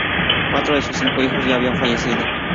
Cuatro de sus cinco hijos ya habían fallecido.